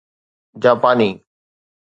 جاپاني